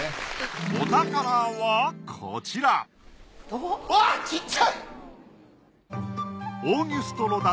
お宝はこちらうわっちっちゃい！